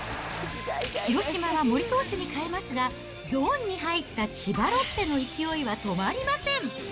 広島は森投手に代えますが、ゾーンに入った千葉ロッテの勢いは止まりません。